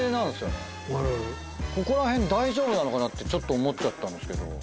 ここらへん大丈夫なのかなってちょっと思っちゃったんですけど。